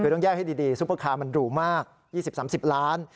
คือต้องแยกให้ดีซุปเปอร์คาร์มันหรูมาก๒๐๓๐ล้าน